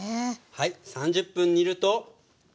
はい３０分煮ると。